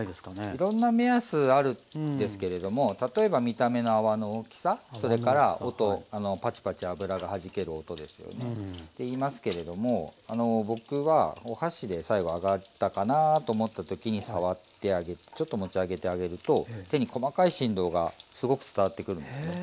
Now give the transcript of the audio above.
いろんな目安あるんですけれども例えば見た目の泡の大きさそれから音パチパチ油がはじける音ですよね。って言いますけれどもあの僕はお箸で最後揚がったかなと思った時に触ってあげてちょっと持ち上げてあげると手に細かい振動がすごく伝わってくるんですね。